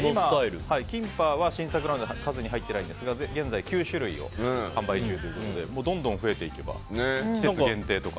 今、キンパは新作の数に入ってないんですが現在９種類を販売中ということでどんどん増えていけば季節限定とか。